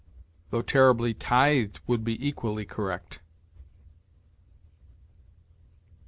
"Though terribly tithed" would be equally correct.